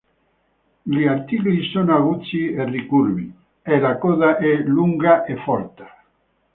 Gli artigli sono aguzzi e ricurvi, e la coda è lunga e folta.